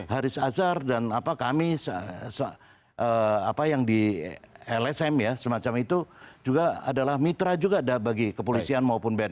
haris azhar dan kami yang di lsm ya semacam itu juga adalah mitra juga bagi kepolisian maupun bnn